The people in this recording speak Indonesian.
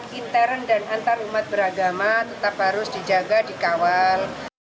kehidupan intern dan antar umat beragama tetap harus dijaga dikawal